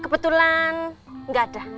kebetulan gak ada